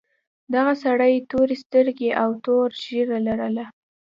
دغه سړي تورې سترګې او تور ږیره لرله.